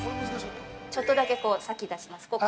◆ちょっとだけ先、出します。